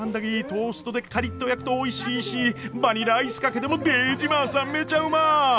トーストでカリッと焼くとおいしいしバニラアイスかけてもデージマーサンめちゃうま。